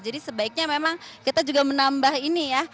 jadi sebaiknya memang kita juga menambah ini ya